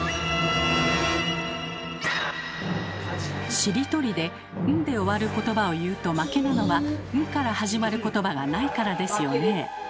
しりとりで「ん」で終わることばを言うと負けなのは「ん」から始まることばがないからですよね。